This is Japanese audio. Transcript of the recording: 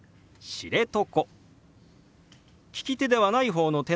「知床」。